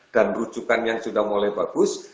dan rujukan yang sudah mulai bagus